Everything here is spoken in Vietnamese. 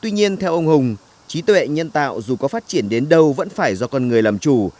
tuy nhiên theo ông hùng trí tuệ nhân tạo dù có phát triển đến đâu vẫn phải do con người làm chủ